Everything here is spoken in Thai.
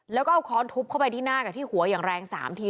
แล้วก็เอาค้อนทุบเข้าไปที่หน้ากับที่หัวอย่างแรง๓ที